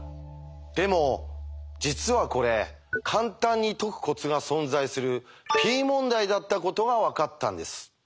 でも実はこれ簡単に解くコツが存在するＰ問題だったことが分かったんです。